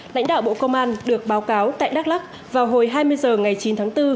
lãnh đạo bộ công an được báo cáo tại đắk lắc vào hồi hai mươi h ngày chín tháng bốn